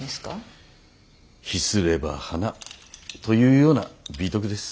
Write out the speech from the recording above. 秘すれば花というような美徳です。